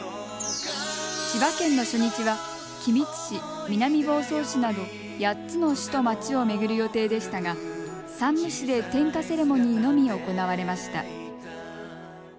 千葉県の初日は君津市、南房総市など８つの市と町を巡る予定でしたが山武市で点火セレモニーのみ行われました。